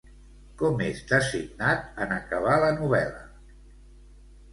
Com és designat en acabar la novel·la?